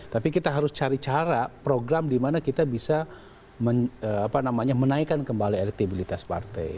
tapi kita harus cari cara program di mana kita bisa menaikkan kembali elektabilitas partai